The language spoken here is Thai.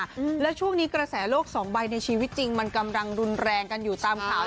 อืมแล้วช่วงนี้กระแสโลกสองใบในชีวิตจริงมันกำลังรุนแรงกันอยู่ตามข่าว